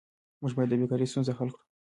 موږ باید د بیکارۍ ستونزه حل کړو.